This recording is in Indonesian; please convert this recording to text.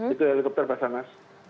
itu helikopter basah naas